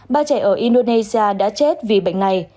ba trẻ ở indonesia đã chết vì bệnh này